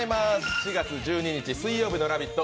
４月１２日水曜日の「ラヴィット！」